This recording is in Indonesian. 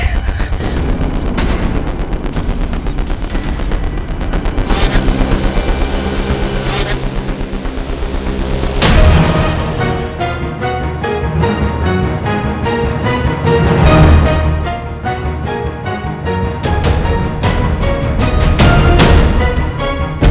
aku sudah terpaksa